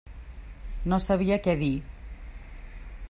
No sabia què dir.